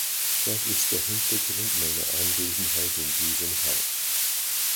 Das ist der Hintergrund meiner Anwesenheit in diesem Haus.